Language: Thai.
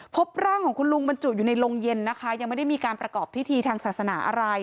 พบร่างของคุณลุงบรรจุอยู่ในโรงเย็นนะคะยังไม่ได้มีการประกอบพิธีทางศาสนาอะไร